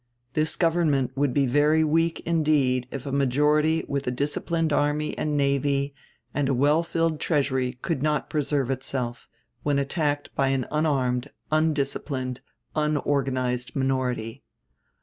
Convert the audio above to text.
This government would be very weak indeed if a majority with a disciplined army and navy and a well filled treasury could not preserve itself, when attacked by an unarmed, undisciplined, unorganized minority.